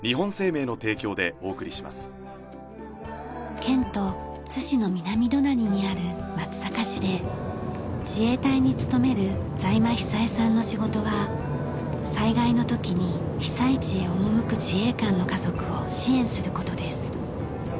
県都津市の南隣にある松阪市で自衛隊に勤める在間比佐衣さんの仕事は災害の時に被災地へ赴く自衛官の家族を支援する事です。